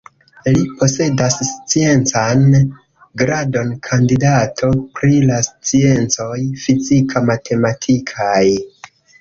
Li posedas sciencan gradon “kandidato pri la sciencoj fizika-matematikaj”.